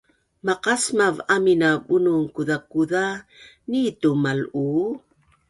maqasmav amin a bunun kuzakuza nitu mal’uu